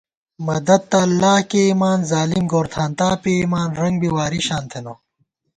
مددتہ اللہ کېئیمان ظالم گورتھانتا پېئیمان، رنگ بی واری شان تھنہ